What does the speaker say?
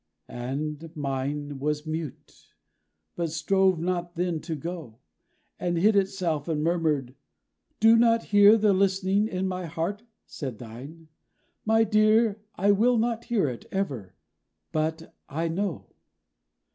'_ _And mine was mute; but strove not then to go; And hid itself, and murmured, 'Do not hear The listening in my heart!' Said thine, 'My Dear, I will not hear it, ever. But I know.'